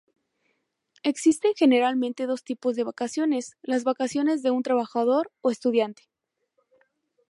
Existen generalmente dos tipos de vacaciones, las vacaciones de un trabajador o estudiante.